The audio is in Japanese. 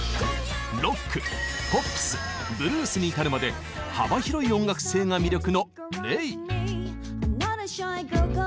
ロックポップスブルースに至るまで幅広い音楽性が魅力のＲｅｉ。